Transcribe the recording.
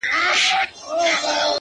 زه د رنگونو د خوبونو و زوال ته گډ يم’